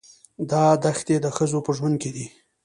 دا دښتې د ښځو په ژوند کې دي.